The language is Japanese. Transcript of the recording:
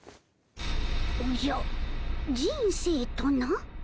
おじゃ人生とな？